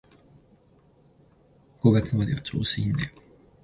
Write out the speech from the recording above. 五月までは調子いいんだよ